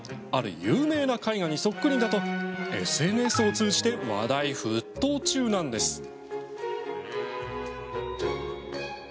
ある有名な絵画にそっくりだとＳＮＳを通じて話題沸騰中なんです。